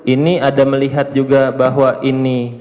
ini ada melihat juga bahwa ini